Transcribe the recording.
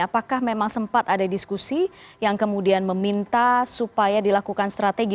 apakah memang sempat ada diskusi yang kemudian meminta supaya dilakukan strategi